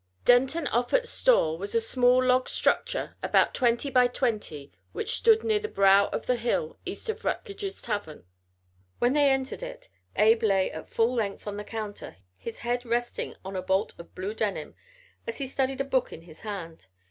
Denton Offut's store was a small log structure about twenty by twenty which stood near the brow of the hill east of Rutledge's Tavern. When they entered it Abe lay at full length on the counter, his head resting on a bolt of blue denim as he studied a book in his hand.